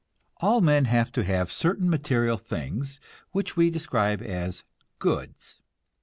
All men have to have certain material things which we describe as goods.